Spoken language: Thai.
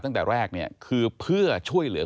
ตั้งแต่แรกเนี่ยคือเพื่อช่วยเหลือ